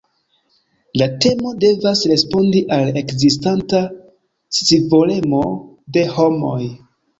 La temo devas respondi al ekzistanta scivolemo de homoj.